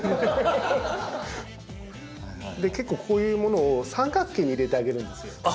結構こういうものを三角形に入れてあげるんですよ。